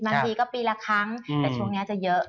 บางทีก็ปีละครั้งแต่ช่วงนี้จะเยอะ